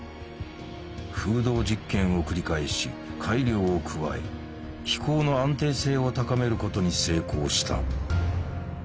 風洞実験を繰り返し改良を加え飛行の安定性を高めることに成功した。